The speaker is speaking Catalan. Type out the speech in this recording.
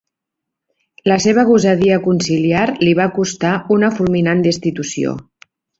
La seva gosadia conciliar li va costar una fulminant destitució.